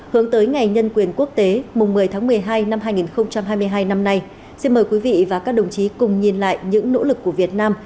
hướng tới ngày nhân quyền quốc tế mùng một mươi tháng một mươi hai năm hai nghìn hai mươi hai năm nay xin mời quý vị và các đồng chí cùng nhìn lại những nỗ lực của việt nam